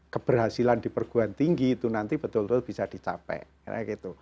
keberhasilan di perguan tinggi itu nanti betul betul bisa dicapai